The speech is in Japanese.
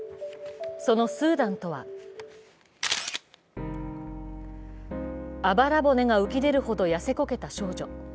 そのスーダンとはあばら骨が浮きでるほど痩せこけた少女。